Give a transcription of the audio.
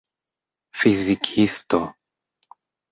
fizikisto